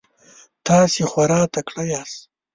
تاسو خورا تکړه یاست.